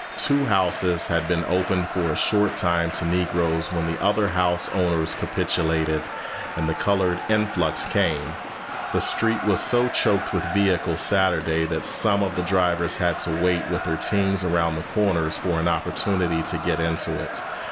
Two houses had been opened for a short time to Negroes when the other house owners capitulated, and the colored influx came: "The street was so choked with vehicles Saturday that some of the drivers had to wait with their teams around the corners for an opportunity to get into it.